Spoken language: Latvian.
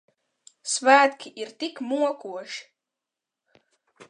Svētki ir tik mokoši.